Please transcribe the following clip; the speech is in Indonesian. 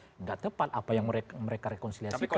tidak tepat apa yang mereka rekonsiliasikan